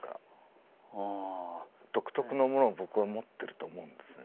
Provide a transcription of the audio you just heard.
独特のものを僕は持ってると思うんですね。